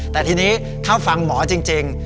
แต่ทีนี้ถ้าฟังหมอจริง